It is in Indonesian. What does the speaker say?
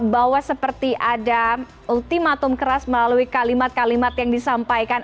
bahwa seperti ada ultimatum keras melalui kalimat kalimat yang disampaikan